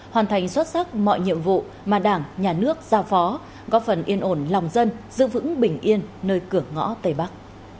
hoàn thành xuất sắc mọi nhiệm vụ mà đảng nhà nước giao phó góp phần yên ổn lòng dân giữ vững bình yên nơi cửa ngõ tây bắc